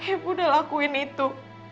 ibu udah lakuin itu